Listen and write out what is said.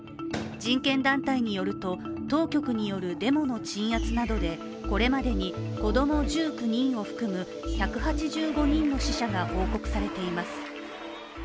人権団体によると当局によるデモの鎮圧などでこれまでに子供１９人を含む１８５人の死者が報告されています。